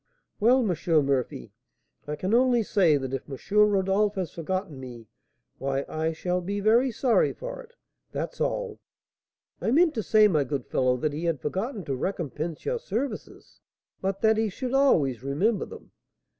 'Well, M. Murphy, I can only say that if M. Rodolph has forgotten me, why I shall be very sorry for it, that's all.' 'I meant to say, my good fellow, that he had forgotten to recompense your services, but that he should always remember them.'